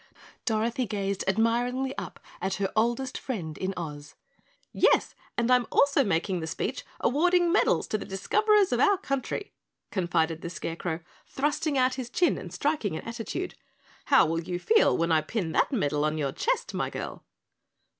Dorothy gazed admiringly up at her oldest friend in Oz. "Yes, and I'm also making the speech awarding medals to the Discoverers of our country," confided the Scarecrow, thrusting out his chin and striking an attitude. "How will you feel when I pin that medal on your chest, my girl?"